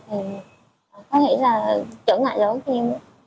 thì có thể là trở ngại dối cho em